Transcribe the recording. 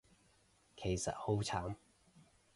其實好慘